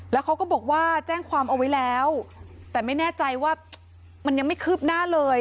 แล้วเขาก็บอกว่าแจ้งความเอาไว้แล้วแต่ไม่แน่ใจว่ามันยังไม่คืบหน้าเลย